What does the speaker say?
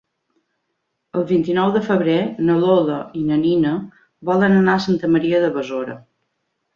El vint-i-nou de febrer na Lola i na Nina volen anar a Santa Maria de Besora.